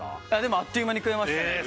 あっという間に食えましたね